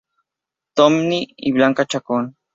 Tony y Blanca Chacón.